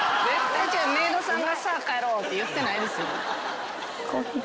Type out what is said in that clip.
メイドさんが「さぁ帰ろう」って言ってないですよ。